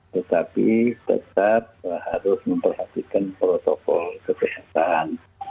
tetapi tetap harus memperhatikan protokol kesehatan